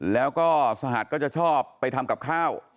แล้วก็สหัสก็จะชอบไปทำกับข้าว